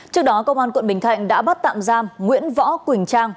trước đó công an quận bình thạnh đã bắt tạm giam nguyễn võ quỳnh trang